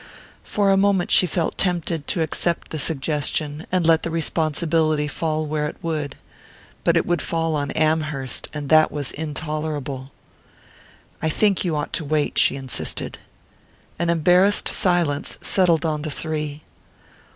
For a moment she felt tempted to accept the suggestion, and let the responsibility fall where it would. But it would fall on Amherst and that was intolerable. "I think you ought to wait," she insisted. An embarrassed silence settled on the three.